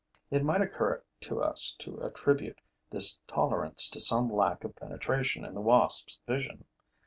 It might occur to us to attribute this tolerance to some lack of penetration in the wasps' vision.